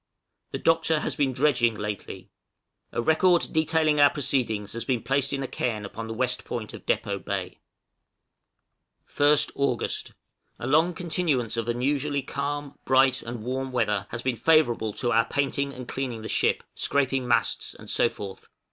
The Doctor has been dredging lately. A record detailing our proceedings has been placed in a cairn upon the west point of Depôt Bay. {AUG., 1859.} 1st August. A long continuance of unusually calm, bright, and warm weather has been favorable to our painting and cleaning the ship, scraping masts, and so forth.